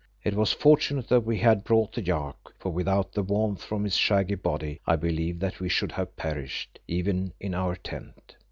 It was fortunate that we had brought the yak, for without the warmth from its shaggy body I believe that we should have perished, even in our tent.